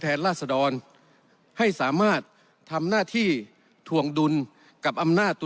แทนราษดรให้สามารถทำหน้าที่ถวงดุนกับอำนาตุ